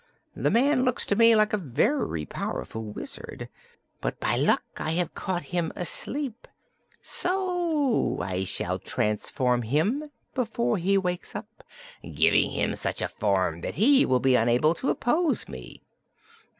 The man looks to me like a very powerful wizard. But by good luck I have caught him asleep, so I shall transform him before he wakes up, giving him such a form that he will be unable to oppose me."